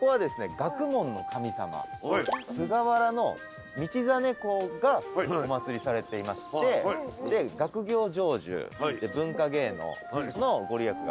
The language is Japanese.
学問の神様菅原道真公がお祭りされていましてで学業成就文化芸能の御利益が。